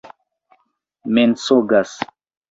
mensogas